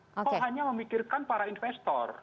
atau hanya memikirkan para investor